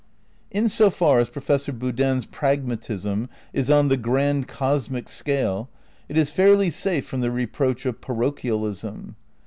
^ In so far as Professor Boodin's pragmatism is on the grand cosmic scale it is fairly safe from the re proach of parochialism.